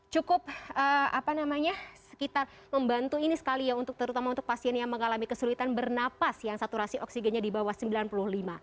cukup apa namanya sekitar membantu ini sekali ya untuk terutama untuk pasien yang mengalami kesulitan bernapas yang saturasi oksigennya di bawah sembilan puluh lima